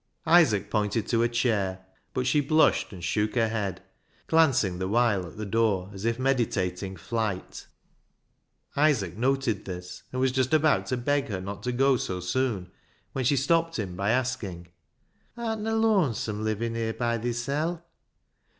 Isaac pointed to a chair, but she blushed and shook her head, glancing the while at the door as if meditating flight. Isaac noted this, and was just about to beg her not to go so soon, when she stopped him by asking —" Artna looansome livin' here by thisel' ?